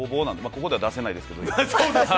ここでは出せないですけど。